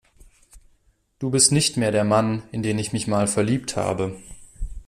Du bist nicht mehr der Mann, in den ich mich mal verliebt habe.